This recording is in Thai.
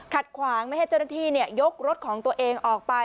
ขวางไม่ให้เจ้าหน้าที่ยกรถของตัวเองออกไป